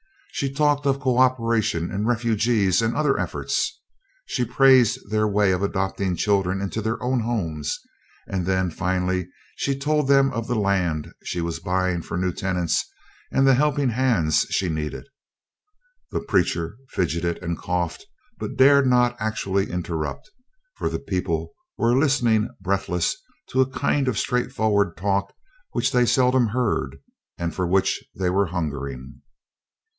She talked of cooperation and refuges and other efforts; she praised their way of adopting children into their own homes; and then finally she told them of the land she was buying for new tenants and the helping hands she needed. The preacher fidgeted and coughed but dared not actually interrupt, for the people were listening breathless to a kind of straightforward talk which they seldom heard and for which they were hungering.